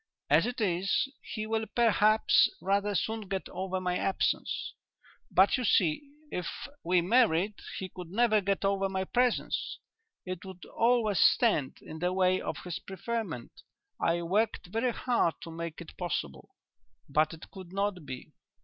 As it is, he will perhaps rather soon get over my absence. But, you see, if we married he could never get over my presence; it would always stand in the way of his preferment. I worked very hard to make it possible, but it could not be."